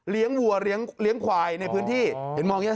เลี้ยงวัวเลี้ยงเลี้ยงขวายในพื้นที่เห็นมองเนี้ย